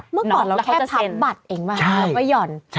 เมื่อก่อนเราแค่พับบัตรเองมาหาไปหย่อน